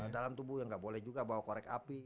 dalam tubuh ya gak boleh juga bawa korek api